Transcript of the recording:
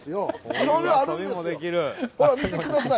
いろいろあるんですよ、ほら見てください。